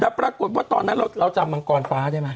และปรากฏว่าตอนนั้นเราเราจำทางมังกรฟ้าได้มั้ย